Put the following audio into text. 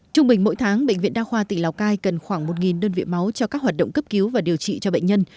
trung bình mỗi tháng bệnh viện đa khoa tỉnh lào cai cần khoảng một đơn vị máu cho các hoạt động cấp cứu và điều trị cho bệnh nhân